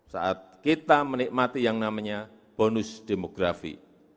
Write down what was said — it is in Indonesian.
saat kita menikmati yang namanya bonus demografi